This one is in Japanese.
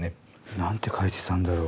何て書いてたんだろう？